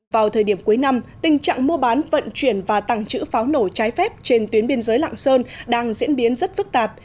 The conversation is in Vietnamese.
vào thời điểm cuối năm tình trạng mua bán vận chuyển và tăng trữ pháo nổ trái phép trên tuyến biên giới lạng sơn đang diễn biến rất phức tạp